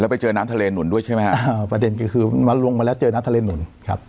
ไปเจอน้ำทะเลหนุนด้วยใช่ไหมฮะอ่าประเด็นก็คือมันลงมาแล้วเจอน้ำทะเลหนุนครับ